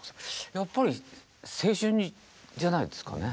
やっぱり青春じゃないですかね。